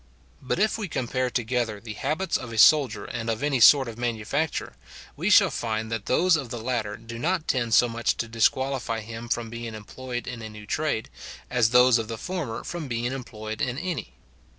But if we compare together the habits of a soldier and of any sort of manufacturer, we shall find that those of the latter do not tend so much to disqualify him from being employed in a new trade, as those of the former from being employed in any.